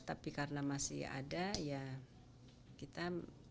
tapi karena masih ada ya kita